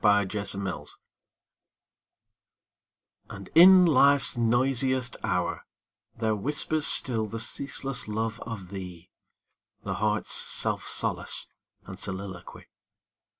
25 And in Life's noisiest hour There whispers still the ceaseless love of thee, The heart's self solace } and soliloquy.